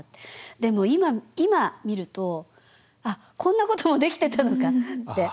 でも今今見るとあっこんなこともできてたのかって。